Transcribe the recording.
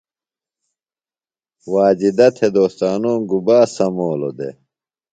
واجدہ تھےۡ دوستنوم گُبا سمولوۡ دےۡ؟